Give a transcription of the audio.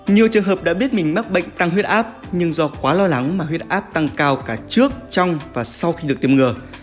nhiều trường hợp đã biết mình mắc bệnh tăng huyết áp nhưng do quá lo lắng mà huyết áp tăng cao cả trước trong và sau khi được tiêm ngừa